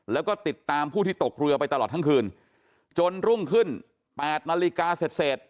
แล้วก็ติดตามผู้ที่ตกเรือไปตลอดทั้งคืนจนรุ่งขึ้น๘นาฬิกาเสร็จเสร็จ